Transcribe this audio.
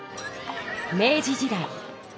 明治時代。